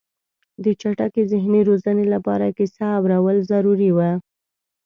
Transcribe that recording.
د چټکې ذهني روزنې لپاره کیسه اورول ضروري وه.